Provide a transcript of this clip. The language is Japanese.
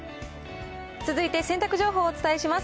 続いて洗濯情報お伝えします。